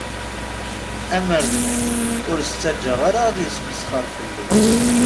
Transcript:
Amer d nekk, ur as-ttaǧǧaɣ ara ad yesmesxer fell-i.